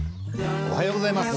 おはようございます。